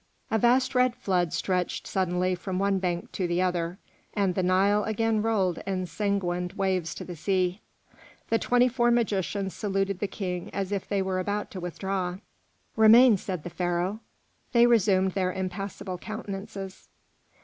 A vast red flood stretched suddenly from one bank to the other, and the Nile again rolled ensanguined waves to the sea. The twenty four magicians saluted the king as if they were about to withdraw. "Remain," said the Pharaoh. They resumed their impassible countenances.